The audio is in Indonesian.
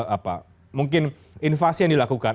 apa mungkin invasi yang dilakukan